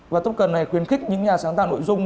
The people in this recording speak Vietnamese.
và topen này khuyến khích những nhà sáng tạo nội dung